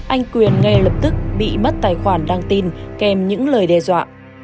anh quyền ngay lập tức bị mất tài khoản đăng tin kèm những lời đe dọa